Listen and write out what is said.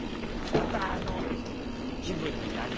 またあの気分になりたい。